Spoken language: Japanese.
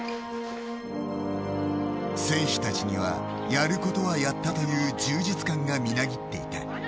選手たちにはやることはやったという充実感がみなぎっていた。